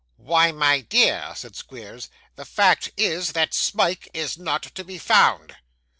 'Why, my dear,' said Squeers, 'the fact is, that Smike is not to be found.